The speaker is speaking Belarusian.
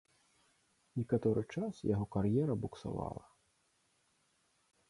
Некаторы час яго кар'ера буксавала.